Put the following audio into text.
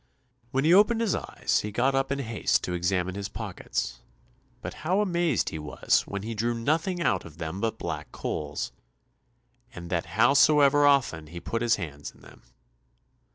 When he opened his eyes, he got up in haste to examine his pockets, but how amazed he was when he drew nothing out of them but black coals, and that howsoever often he put his hands in them.